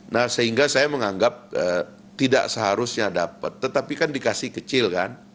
nah sehingga saya menganggap tidak seharusnya dapat tetapi kan dikasih kecil kan